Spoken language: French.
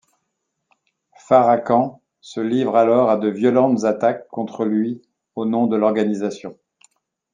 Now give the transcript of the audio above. Farrakhan se livre alors à de violentes attaques contre lui au nom de l'organisation.